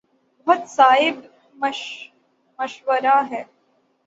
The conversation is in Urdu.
بہت صائب مشورہ ہے۔